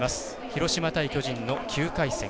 広島対巨人の９回戦。